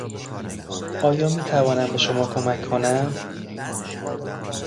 آیا میتوانم به شما کمک کنم؟